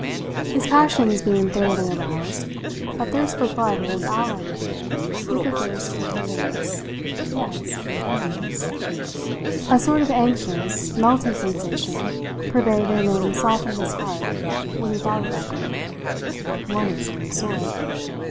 His passions being thoroughly aroused, a thirst for blood was allied in him with a thirst for tenderness yes, tenderness. A sort of anxious, melting sensation pervaded and softened his heart when he thought of that girl one of his own sort.